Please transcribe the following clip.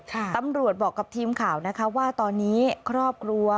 ตำรวจบอกกับทีมข่าวนะคะว่าตอนนี้ครอบครัว